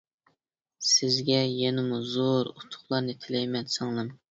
سىزگە يەنىمۇ زور ئۇتۇقلارنى تىلەيمەن، سىڭلىم.